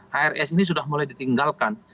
hrs ini sudah mulai ditinggalkan